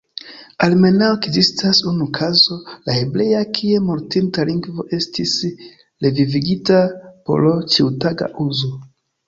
Almenaŭ ekzistas unu kazo, la hebrea, kie mortinta lingvo estis "revivigita" por ĉiutaga uzo.